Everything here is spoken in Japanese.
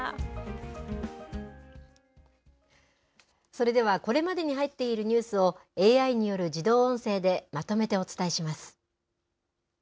それでは、これまでに入っているニュースをＡＩによる自動音声でまとめてお伝えします。